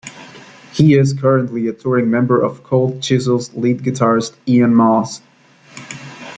He is currently a touring member of Cold Chisel's lead guitarist Ian Moss.